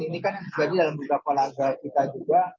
ini kan jadi dalam beberapa laga kita juga